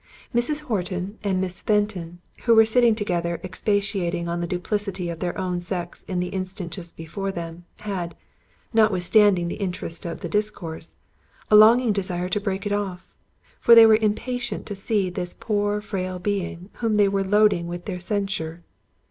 Mrs. Horton and Miss Fenton, who were sitting together expatiating on the duplicity of their own sex in the instance just before them, had, notwithstanding the interest of the discourse, a longing desire to break it off; for they were impatient to see this poor frail being whom they were loading with their censure.